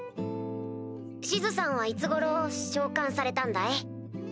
シズさんはいつ頃召喚されたんだい？